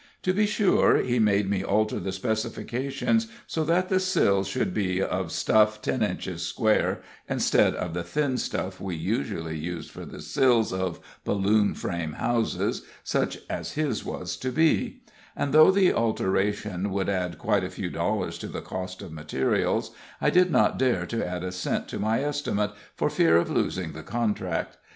To be sure, he made me alter the specifications so that the sills should be of stuff ten inches square, instead of the thin stuff we usually use for the sills of balloon frame houses, such as his was to be; and though the alteration would add quite a few dollars to the cost of materials, I did not dare to add a cent to my estimate, for fear of losing the contract.